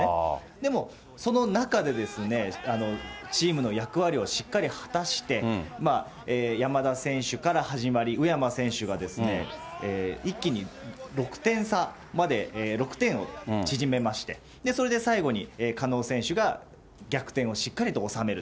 でもその中でですね、チームの役割をしっかり果たして、山田選手から始まり、宇山選手が一気に６点差まで、６点を縮めまして、それで最後に加納選手が逆転をしっかりと収める。